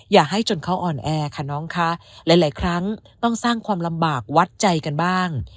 อย่าให้จนเขาอ่อนแอค่ะน้องคะหลายครั้งต้องสร้างความลำบากวัดใจกันบ้าง